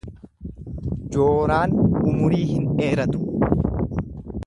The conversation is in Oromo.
Jooraan umurii hin dheeratu.